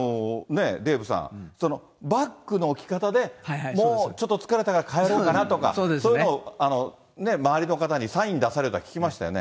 よくね、デーブさん、バッグの置き方で、もうちょっと疲れたから帰ろうかなとか、というのを周りの方にサイン出されたって聞きましたよね。